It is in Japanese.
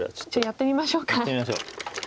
やってみましょう。